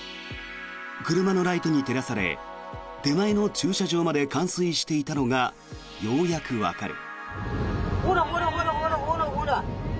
車のライトに照らされ手前の駐車場まで冠水していたのがようやくわかる。